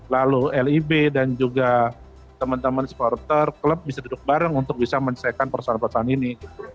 lalu lib dan juga teman teman supporter klub bisa duduk bareng untuk bisa menyelesaikan persoalan persoalan ini